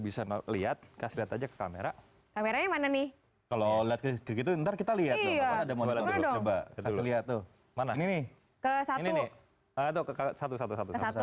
bisa lihat kasih lihat aja kamera kamera mana nih kalau kita lihat lihat tuh mana ini satu satu